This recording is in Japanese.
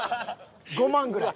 ５万ぐらい。